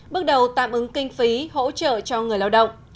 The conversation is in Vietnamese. bước đầu tạm ứng kinh phí hỗ trợ cho người lao động